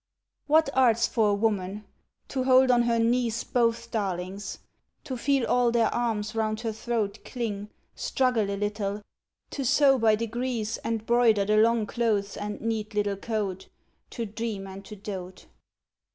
What art's for a woman! To hold on her knees Both darlings! to feel all their arms round her throat Cling, struggle a little! to sew by degrees And 'broider the long clothes and neat little coat! To dream and to dote.